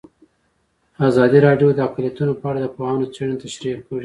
ازادي راډیو د اقلیتونه په اړه د پوهانو څېړنې تشریح کړې.